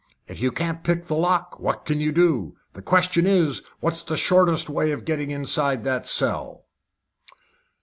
"If you can't pick the lock, what can you do? The question is, what is the shortest way of getting inside that cell?"